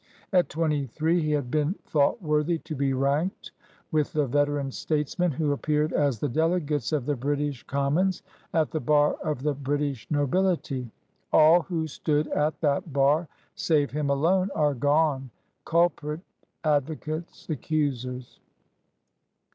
At twenty three he had been thought worthy to be ranked with the veteran states men who appeared as the delegates of the British Com mons, at the bar of the British nobiHty. All who stood at that bar, save him alone, are gone, culprit, advocates, accusers.